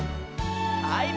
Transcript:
はい。